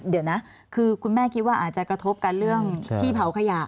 เดี๋ยวนะคือคุณแม่คิดว่าอาจจะกระทบกันเรื่องที่เผาขยะ